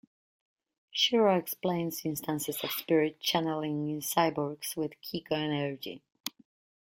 Shirow explains instances of spirit channeling in cyborgs with kiko energy.